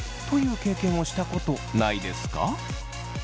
という経験をしたことないですか？